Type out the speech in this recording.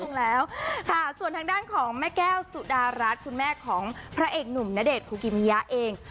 ลงแล้วค่ะส่วนทางด้านของแม่แก้วสุดารัฐคุณแม่ของพระเอกหนุ่มณเดชนคุกิมิยะเอง